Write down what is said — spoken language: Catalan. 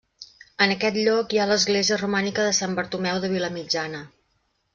En aquest lloc hi ha l'església romànica de Sant Bartomeu de Vilamitjana.